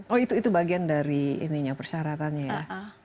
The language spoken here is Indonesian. oh itu bagian dari ininya persyaratannya ya